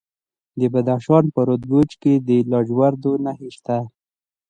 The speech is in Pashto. د بدخشان په وردوج کې د لاجوردو نښې شته.